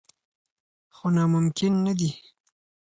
خو ناممکن نه دي.